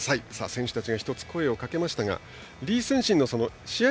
選手たちが１つ声をかけましたが李承信の試合